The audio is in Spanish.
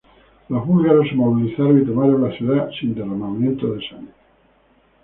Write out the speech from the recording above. Los búlgaros se movilizaron y tomaron la ciudad sin derramamiento de sangre.